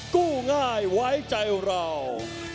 กู้ง่ายไว้ใจเรา